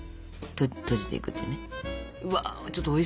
閉じていくというね。